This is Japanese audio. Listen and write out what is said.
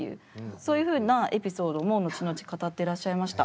そういうふうなエピソードも後々語ってらっしゃいました。